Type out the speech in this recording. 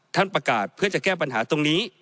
ท่านประกาศเพื่อจะแก้ปัญหาตรงนี้